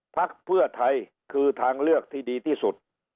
พักเพื่อไทยคือทางเลือกที่ดีที่สุด